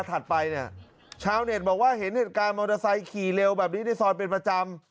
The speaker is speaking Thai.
ถัดไปเนี่ยชาวเน็ตบอกว่าเห็นเหตุการณ์มอเตอร์ไซค์ขี่เร็วแบบนี้ในซอยเป็นประจำ